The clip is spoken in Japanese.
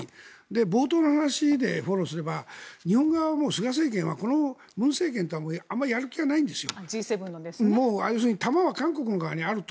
冒頭の話でフォローすれば日本側はもう菅政権はこの文政権とはあまりやる気がないんですよ。